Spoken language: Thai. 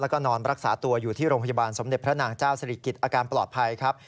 แล้วก็นอนรักษาตัวอยู่ที่โรงพยาบาลสมเด็จพระนางเจ้าศรีกิจอาการปลอดภัยครับ